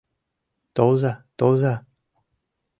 — Толза, толза!..